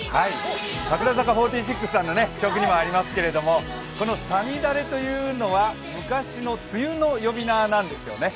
櫻坂４６さんの曲にもありますけれども、この五月雨というのは昔の梅雨の呼び名なんですよね。